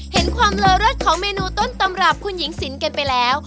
เห็นความเลอเลิศของเมนูต้นตำรับคุณหญิงสินกันไปแล้ว